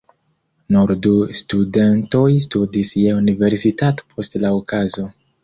Nur du studentoj studis je universitato post la okazo.